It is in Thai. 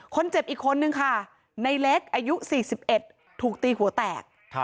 คนเจ็บอีกคนนึงค่ะนายเล็กอายุ๔๑ถูกตีหัวแตก